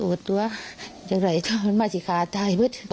แม่โทษตัวจะไหลเท่าไหร่มันมาชิคกี้พายตายแบบนี้